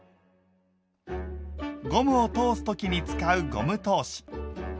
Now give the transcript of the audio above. ゴムを通す時に使うゴム通し。